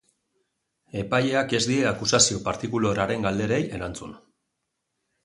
Epaileak ez die akusazio partikularraren galderei erantzun.